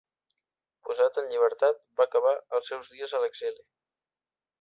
Posat en llibertat, va acabar els seus dies a l'exili.